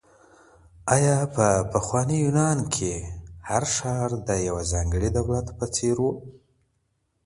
آیا په پخواني یونان کي هر ښار د یوه ځانګړي دولت په څېر و؟